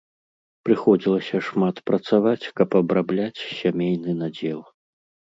Прыходзілася шмат працаваць, каб абрабляць сямейны надзел.